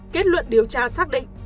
kết luận điều tra xác định